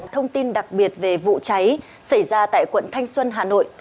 thông tin đặc biệt về vụ cháy xảy ra tại quận thanh xuân hà nội